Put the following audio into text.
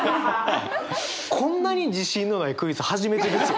こんなに自信のないクイズ初めてですよ。